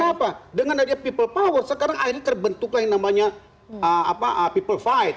karena apa dengan rakyat people power sekarang akhirnya terbentuklah yang namanya people fight